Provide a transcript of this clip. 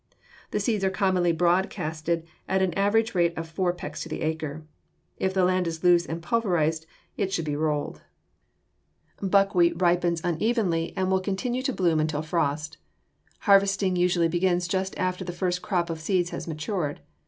The seeds are commonly broadcasted at an average rate of four pecks to the acre. If the land is loose and pulverized, it should be rolled. [Illustration: FIG. 220. BUCKWHEAT IN SHOCK] Buckwheat ripens unevenly and will continue to bloom until frost. Harvesting usually begins just after the first crop of seeds have matured.